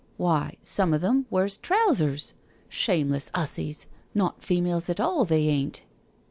Why, some o' them wears trousers — ^shameless 'ussies, not females at all they ain't."